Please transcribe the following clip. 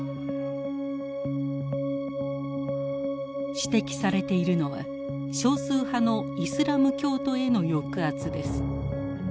指摘されているのは少数派のイスラム教徒への抑圧です。